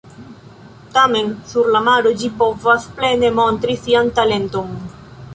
Tamen sur la maro ĝi povas plene montri sian talenton.